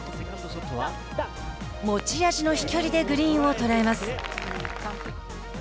持ち味の飛距離でグリーンを捉えます。